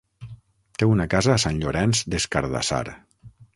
Té una casa a Sant Llorenç des Cardassar.